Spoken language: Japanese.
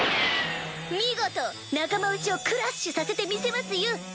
見事仲間内をクラッシュさせてみせますよ！